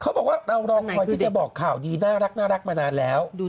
เขาบอกว่าเรารอคอยที่จะบอกข่าวดีน่ารักมานานแล้ว